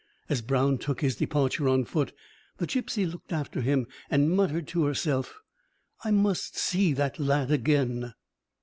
As Brown took his departure on foot, the gipsy looked after him and muttered to herself: "I maun [Footnote: I must.] see that lad again."